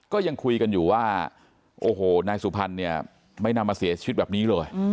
ก็ยังคุยกันอยู่ว่าโอ้โหนายสุพรรณเนี่ยไม่น่ามาเสียชีวิตแบบนี้เลย